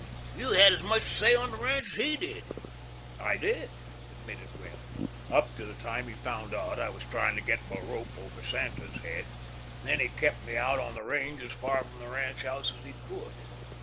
You had as much to say on the ranch as he did." "I did," admitted Webb, "up to the time he found out I was tryin' to get my rope over Santa's head. Then he kept me out on the range as far from the ranch house as he could.